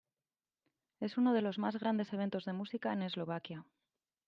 Es uno de los más grandes eventos de música en Eslovaquia.